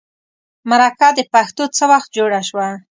مرکه د پښتو څه وخت جوړه شوه.